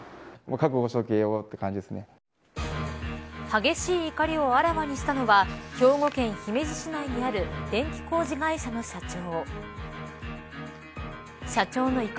激しい怒りをあらわにしたのは兵庫県姫路市内にある電気工事会社の社長。